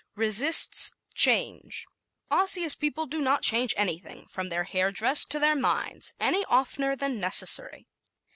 Resists Change ¶ Osseous people do not change anything, from their hair dress to their minds, any oftener than necessary.